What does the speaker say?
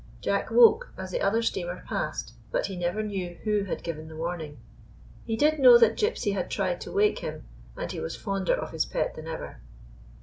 Jack woke as the other steamer passed, but he never knew who had given the warning. He did know that Gypsy had tried to wake him, and he was fonder of his pet than ever.